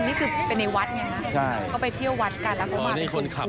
ก็คือเป็นในวัดไงนะเขาไปเที่ยววัดกันแล้วเขามาเป็นคุณครู